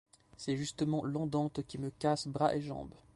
C’est justement l’andante qui me casse bras et jambes.